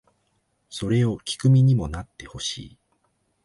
それを聴く身にもなってほしい